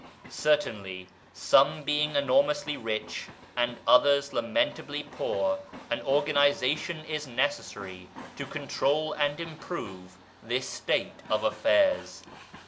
Certainly, some being enormously rich and others lamentably poor, an organisation is necessary to control and improve this state of affairs.